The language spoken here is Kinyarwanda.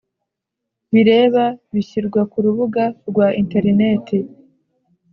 Bireba bishyirwa ku rubuga rwa interineti